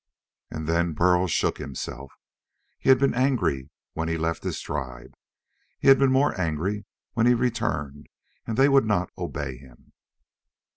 And then Burl shook himself. He had been angry when he left his tribe. He had been more angry when he returned and they would not obey him.